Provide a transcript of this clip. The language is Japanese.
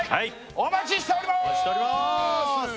お待ちしております！